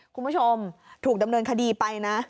คุณผู้ชมถูกดำเนินคดีไปนะ